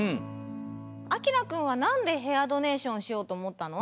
あきらくんはなんでヘアドネーションしようとおもったの？